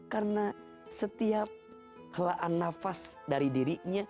karena setiap helaan nafas dari diri